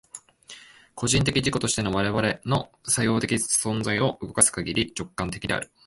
個人的自己としての我々の作用的存在を動かすかぎり、直観的である。